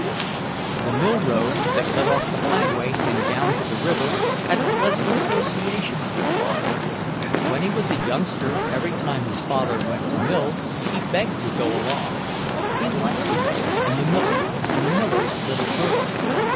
The mill road, that led off the highway and down to the river, had pleasant associations for Claude. When he was a youngster, every time his father went to mill, he begged to go along. He liked the mill and the miller and the miller's little girl.